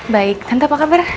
baik tante apa kabar